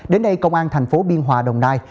đến nay công an thành phố biên hòa đồng nai